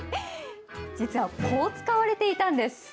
実は、こう使われていたんです。